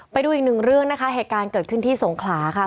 ไปดูอีกหนึ่งเรื่องนะคะเหตุการณ์เกิดขึ้นที่สงขลาค่ะ